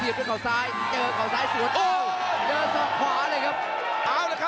คลียดด้านเคาร์ซ้ายเจอเคาร์ซ้ายและสวน